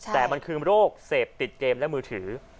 แต่มันคือโรคเสพติดเกมและมือถือ